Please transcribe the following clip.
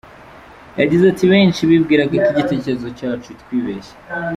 Yagize ati “Benshi bibwiraga ko igitekerezo cyacu twibeshye.